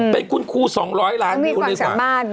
เป็นคุณครู๒๐๐ล้านวิวดีกว่า